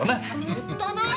言ったな？